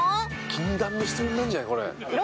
「禁断の質問なんじゃない？